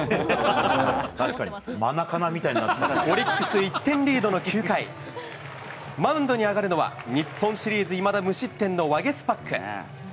オリックス、１点リードの９回、マウンドに上がるのは、日本シリーズ、いまだ無失点のワゲスパック。